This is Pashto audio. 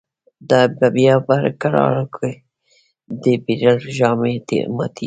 دا به بیا په کړاکړ کی د« بیربل» ژامی ماتیږی